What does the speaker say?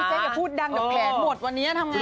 พี่เจ๊อย่าพูดดังเดี๋ยวแผนหมดวันนี้ทำไง